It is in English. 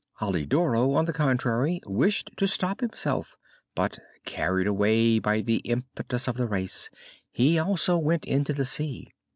Alidoro, on the contrary, wished to stop himself, but, carried away by the impetus of the race, he also went into the sea.